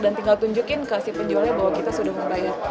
dan tinggal tunjukin ke si penjualnya bahwa kita sudah mengayak